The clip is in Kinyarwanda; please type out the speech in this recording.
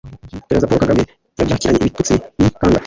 perezida paul kagame yabyakiranye ibitutsi n'ikangata